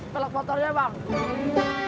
telok motornya bang